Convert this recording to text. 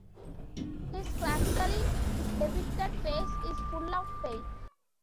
His classically depicted face is full of pain.